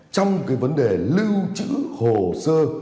trong cái vấn đề lưu chữ hồ sơ